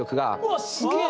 わっすげえ。